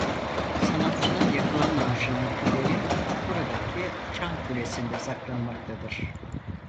Sanatçının yakılan naaşının külleri buradaki çan kulesinde saklanmaktadır.